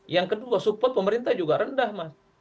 yang kedua support pemerintah juga rendah mas